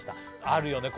あるよね